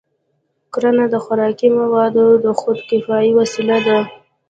کرنه د خوراکي موادو د خودکفایۍ وسیله ده.